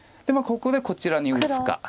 ここでこちらに打つか。